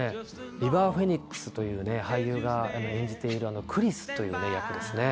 リバー・フェニックスという俳優が演じているクリスという役ですね。